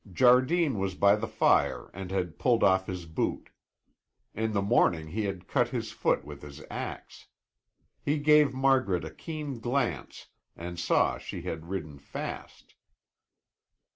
Jardine was by the fire and had pulled off his boot. In the morning he had cut his foot with his ax. He gave Margaret a keen glance and saw she had ridden fast.